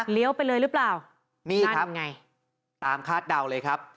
ไปเลยหรือเปล่านี่ครับไงตามคาดเดาเลยครับ